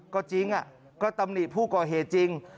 ก็จริงก็ตำหนิผู้ก่อเหตุจริง